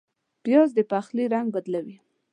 پیاز د پخلي رنګ بدلوي